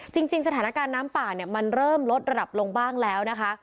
จริงสถานการณ์น้ำป่าเนี่ยมันเริ่มลดระดับลงบ้างแล้วนะคะ